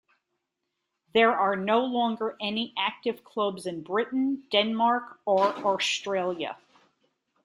There are no longer any active clubs in Britain, Denmark, or Australia.